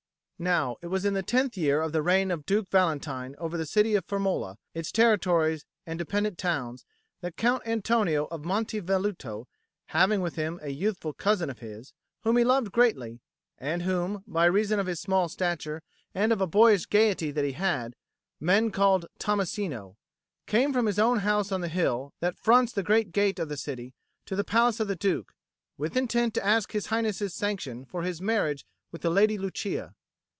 Now it was in the tenth year of the reign of Duke Valentine over the city of Firmola, its territories and dependent towns, that Count Antonio of Monte Velluto having with him a youthful cousin of his, whom he loved greatly, and whom, by reason of his small stature and of a boyish gaiety he had, men called Tommasino came from his own house on the hill that fronts the great gate of the city, to the palace of the Duke, with intent to ask His Highness's sanction for his marriage with the Lady Lucia.